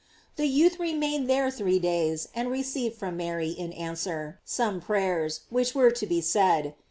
The youth remained there three days, and received from Mary, in answer, some prayers, which were to be said.